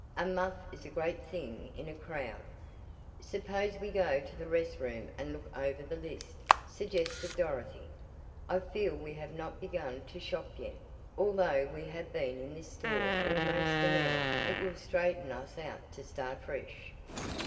A muff is a great thing in a crowd." "Suppose we go to the rest room and look over the list," suggested Dorothy. "I feel we have not begun to shop yet, although we have been in this store almost an hour. It will straighten us out to start fresh."